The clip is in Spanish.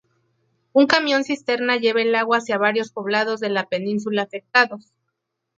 Un camión cisterna lleva el agua hacia varios poblados de la península afectados.